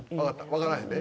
分からへんで。